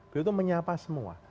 beliau itu menyapa semua